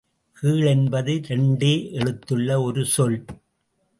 கீழ் என்பது இரண்டே எழுத்துள்ள ஒரு சொல்!